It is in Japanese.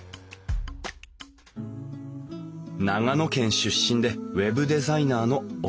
長野県出身でウェブデザイナーの奥原千純さん。